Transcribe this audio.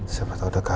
siapa tau ada kabar